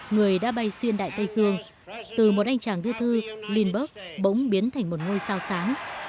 người đã bay xuyên đại tây dương từ một anh chàng đưa thư lindbergh bỗng biến thành một ngôi sao sáng